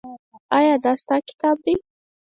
ایا دا ستا کتاب دی؟